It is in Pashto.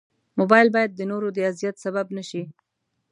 موبایل باید د نورو د اذیت سبب نه شي.